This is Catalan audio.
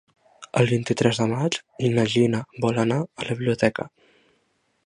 El vint-i-tres de maig na Gina vol anar a la biblioteca.